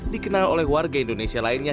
dikenal oleh warga indonesia lainnya